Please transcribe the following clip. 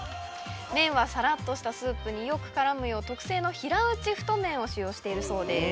麺はサラっとしたスープによく絡むよう特製の。を使用しているそうです。